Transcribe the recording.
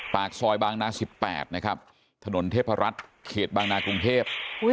ปากซอยบางนาสิบแปดนะครับถนนเทพรัตน์เขตบางนาว์กรุงเทพ